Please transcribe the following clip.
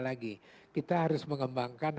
lagi kita harus mengembangkan